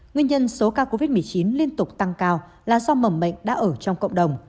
nguyên nhân số ca covid một mươi chín liên tục tăng cao là do mầm bệnh đã ở trong cộng đồng